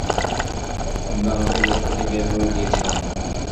তোমরা আমাকে দেশ থেকে বের করে দিয়েছ।